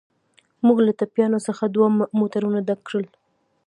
موږ له ټپیانو څخه دوه موټرونه ډک کړل.